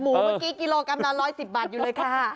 เมื่อกี้กิโลกรัมละ๑๑๐บาทอยู่เลยค่ะ